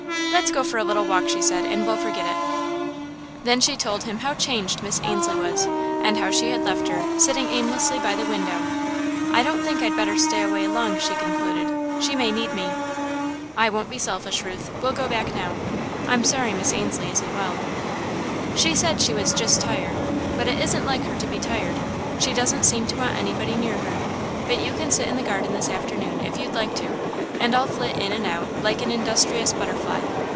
"Let's go for a little walk," she said, "and we'll forget it." Then she told him how changed Miss Ainslie was and how she had left her, sitting aimlessly by the window. "I don't think I'd better stay away long," she concluded, "she may need me." "I won't be selfish, Ruth; we'll go back now. I'm sorry Miss Ainslie isn't well." "She said she was 'just tired' but it isn't like her to be tired. She doesn't seem to want anybody near her, but you can sit in the garden this afternoon, if you'd like to, and I'll flit in and out like an industrious butterfly.